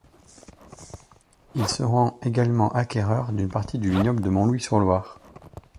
Il se rend également acquéreur d’une partie du vignoble de Montlouis-sur-Loire.